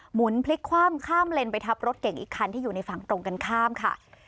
หุนพลิกคว่ำข้ามเลนไปทับรถเก่งอีกคันที่อยู่ในฝั่งตรงกันข้ามค่ะ